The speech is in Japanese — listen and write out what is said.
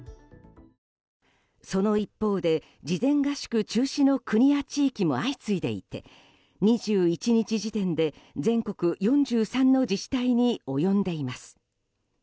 その一方で、事前合宿中止の国や地域も相次いでいて２１日時点で全国４３の自治体に及んでいます。